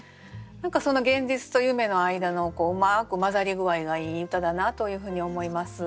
何かその現実と夢の間のうまく混ざり具合がいい歌だなというふうに思います。